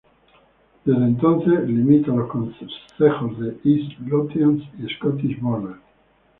Desde entonces limita los concejos de East Lothian y Scottish Borders.